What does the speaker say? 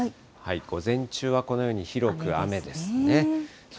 午前中はこのように広く雨ですね。